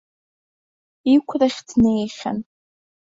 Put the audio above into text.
Иқәрахь днеихьан.